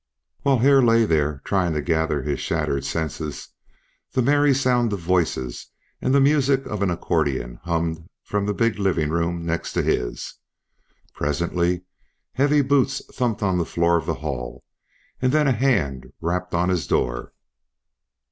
While Hare lay there, trying to gather his shattered senses, the merry sound of voices and the music of an accordion hummed from the big living room next to his. Presently heavy boots thumped on the floor of the hall; then a hand rapped on his door.